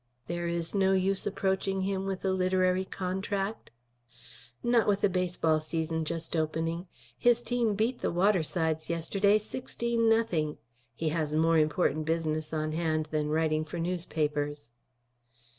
"There is no use approaching him with a literary contract?" "Not with the baseball season just opening. His team beat the Watersides yesterday, sixteen nothing. He has more important business on hand than writing for newspapers."